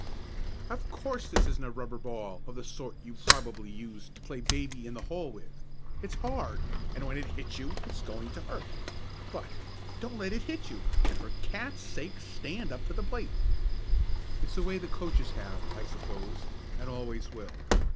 "Of course this isn't a rubber ball, of the sort you probably used to play baby in the hole with it's hard, and when it hits you it's going to hurt. But don't let it hit you, and for cats' sake stand up to the plate!" It's a way coaches have, I suppose, and always will.